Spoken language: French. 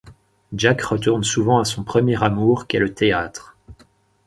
Jack retourne souvent à son premier amour qu'est le théâtre.